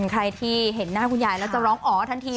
ใครที่เห็นหน้าคุณยายแล้วจะร้องอ๋อทันที